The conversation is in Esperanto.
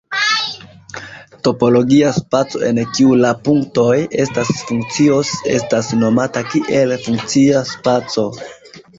Topologia spaco en kiu la "punktoj" estas funkcioj estas nomata kiel "funkcia spaco".